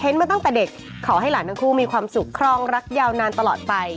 มาตั้งแต่เด็กขอให้หลานทั้งคู่มีความสุขครองรักยาวนานตลอดไป